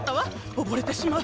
おぼれてしまう。